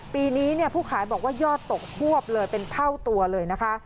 ปีนี้ผู้ขายบอกว่ายอดตกควบเลยเป็นเท่าตัวเลยนะคะ